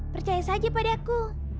percaya saja pada aku